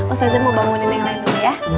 ustadz mau bangunin yang lain dulu ya